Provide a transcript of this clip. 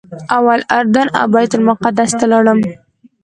اول اردن او بیت المقدس ته لاړم.